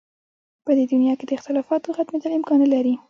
په دې دنیا کې د اختلافاتو ختمېدل امکان نه لري.